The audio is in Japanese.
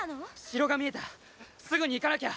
城が見えたすぐに行かなきゃ！